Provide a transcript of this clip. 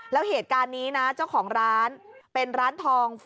แล้วเหตุการณ์นี้นะเจ้าของร้านเป็นร้านทอง